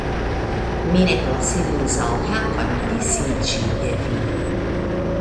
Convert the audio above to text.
Mi ne konsilis al Hakon disiĝi de vi!